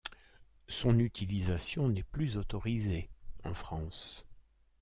Son utilisation n'est plus autorisée en France.